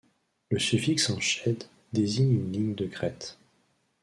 Le suffixe en „-scheid“ désigne une ligne de crête.